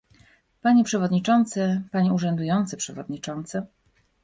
Panie przewodniczący, panie urzędujący przewodniczący